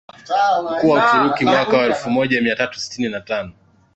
mkuu wa Uturuki mwaka elfumoja miatatu sitini na tano